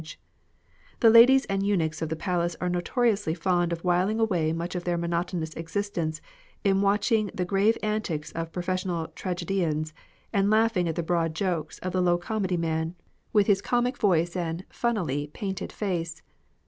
The ladies and eunuchs of the palace are notoriously fond of whiling away much of their monotonous existence in watching the grave antics of professional tragedians and laughing at the broad jokes of the low comedy man, with his comic voice and funnily painted THE DEATH OF AN EMPEROR. face.